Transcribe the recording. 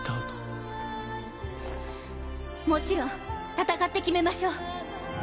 もちろん戦って決めましょう。